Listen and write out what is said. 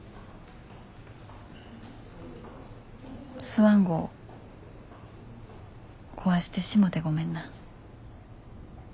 スワン号壊してしもてごめんな。